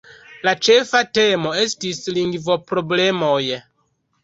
La ĉefa temo estis lingvo-problemoj.